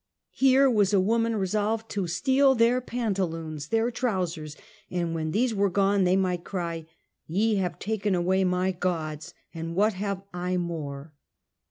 " Here was a woman resolved to steal their pantaloons, their trousers, and when these were gone they might cry " Te have taken away my gods, and what have I more